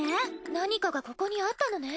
何かがここにあったのね。